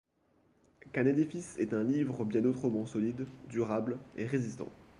Qu'un édifice est un livre bien autrement solide, durable, et résistant!